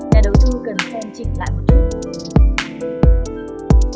nhà đầu tư cần xem chỉnh lại một chút